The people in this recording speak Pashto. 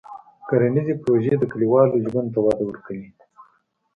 کرنيزې پروژې د کلیوالو ژوند ته وده ورکوي.